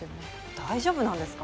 大丈夫なんですか？